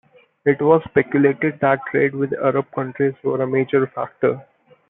It was speculated that trade with Arab countries were a major factor.